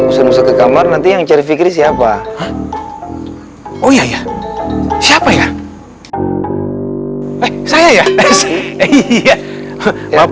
kalau usah ke kamar nanti yang cari fikri siapa oh iya siapa ya eh saya ya eh iya